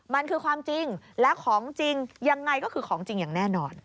มันคือความจริงและของจริงยังไงก็คือของจริงอย่างแน่นอน